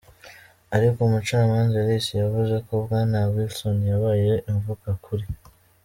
Ariko umucamanza Ellis yavuze ko Bwana Wilson yabaye imvugakuri.